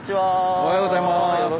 おはようございます。